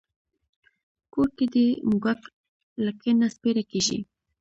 کور کې دې د موږک لکۍ نه سپېره کېږي.